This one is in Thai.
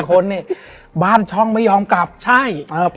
และวันนี้แขกรับเชิญที่จะมาเชิญที่เรา